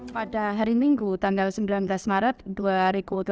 pada hari minggu tanggal sembilan belas maret dua ribu dua puluh tiga